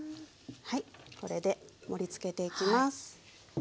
はいこれで盛りつけていきます。